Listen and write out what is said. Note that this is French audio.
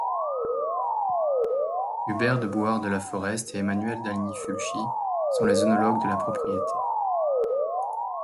Hubert de Boüard de Laforest et Emmanuelle d’Aligny-Fulchi sont les œnologues de la propriété.